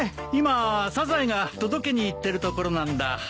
今サザエが届けに行ってるところなんだ。